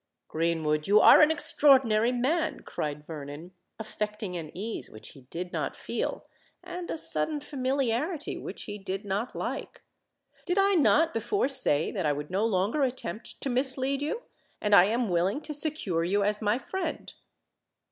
"Greenwood, you are an extraordinary man," cried Vernon, affecting an ease which he did not feel and a sudden familiarity which he did not like. "Did I not before say that I would no longer attempt to mislead you? And I am willing to secure you as my friend."